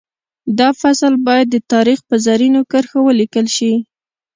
دا فصل باید د تاریخ په زرینو کرښو ولیکل شي